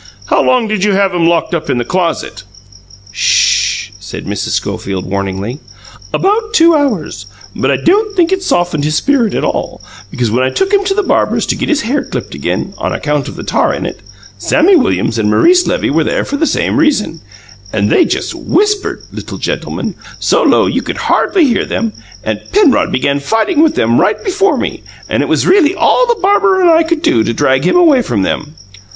How long did you have him locked up in the closet?" "SH!" said Mrs. Schofield warningly. "About two hours; but I don't think it softened his spirit at all, because when I took him to the barber's to get his hair clipped again, on account of the tar in it, Sammy Williams and Maurice Levy were there for the same reason, and they just WHISPERED 'little gentleman,' so low you could hardly hear them and Penrod began fighting with them right before me, and it was really all the barber and I could do to drag him away from them.